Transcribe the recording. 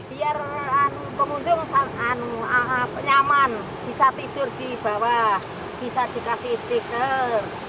biar pengunjung nyaman bisa tidur di bawah bisa dikasih stiker